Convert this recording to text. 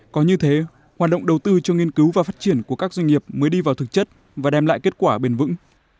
có như thế hoạt động đầu tư cho nghiên cứu và phát triển của các doanh nghiệp mới đi vào thực chất và đem lại kết quả bền vững